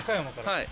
はい。